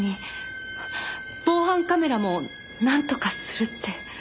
防犯カメラもなんとかするって。